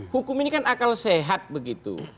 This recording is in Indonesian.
hukum ini kan akal sehat begitu